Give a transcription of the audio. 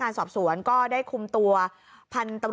ท้าที่สุดศาลอนุญาปล่อยตัวชั่วคราวในวงเงินประกันคนละ๑แสนบาท